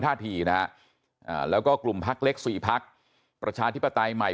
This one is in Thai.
ท่าทีนะฮะแล้วก็กลุ่มพักเล็ก๔พักประชาธิปไตยใหม่